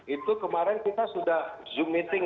itu kemarin kita sudah zoom meeting